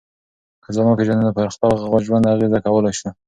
که ځان وپېژنو نو پر خپل ژوند اغېزه کولای سو.